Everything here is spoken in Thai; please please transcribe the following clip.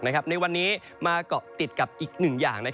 ในวันนี้มาเกาะติดกับอีกหนึ่งอย่าง